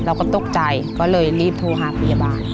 เราก็ตกใจก็เลยรีบโทรหาพยาบาล